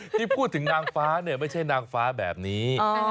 ที่พูดถึงนางฟ้าเนี่ยไม่ใช่นางฟ้าแบบนี้